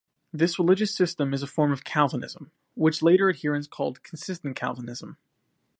This religious system is a form of Calvinism which later adherents called consistent Calvinism.